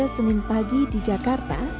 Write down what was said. senin pagi di jakarta